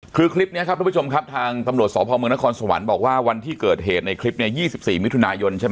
คือคลิปนี้ครับทุกผู้ชมครับทางตำรวจสพเมืองนครสวรรค์บอกว่าวันที่เกิดเหตุในคลิปเนี่ย๒๔มิถุนายนใช่ไหม